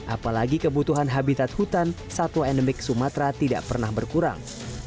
apalagi kebutuhan habitat hutan satwa endemik sumatera tidak pernah berkurang